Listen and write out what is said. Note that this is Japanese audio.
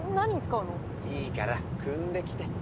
いいからくんできて。